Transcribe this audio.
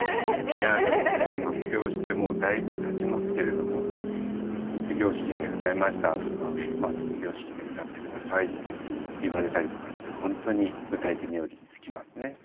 いやでもね発表してもうだいぶたちますけれども「卒業式で歌いました」とか「卒業式で歌って下さい」っていうふうに言われたりとかしてホントに歌い手冥利に尽きますね。